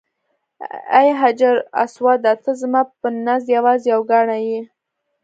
ای حجر اسوده ته زما په نزد یوازې یو کاڼی یې.